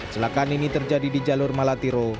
celakaan ini terjadi di jalur malatiro